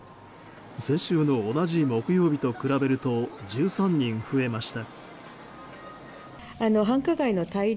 先週の同じ木曜日と比べると１３人増えました。